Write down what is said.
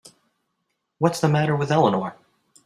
What's the matter with Eleanor?